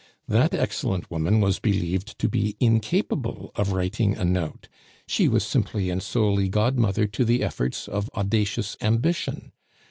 That excellent woman was believed to be incapable of writing a note; she was simply and solely godmother to the efforts of audacious ambition.